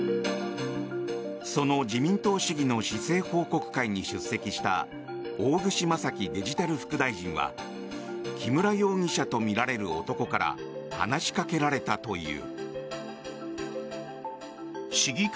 その自民党市議の市政報告会に出席した大串正樹デジタル副大臣は木村容疑者とみられる男から話しかけられたという。